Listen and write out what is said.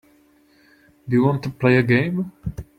Do you want to play a game.